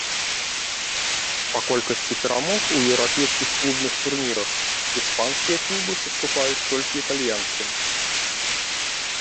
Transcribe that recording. Па колькасці перамог у еўрапейскіх клубных турнірах іспанскія клубы саступаюць толькі італьянскім.